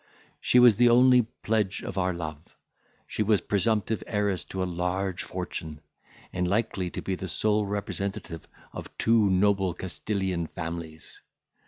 She was the only pledge of our love, she was presumptive heiress to a large fortune, and likely to be the sole representative of two noble Castilian families.